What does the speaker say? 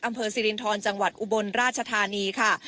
สิรินทรจังหวัดอุบลราชธานีค่ะ